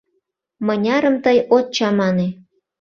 — Мынярым тый от чамане?